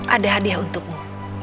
ada hadiah untukmu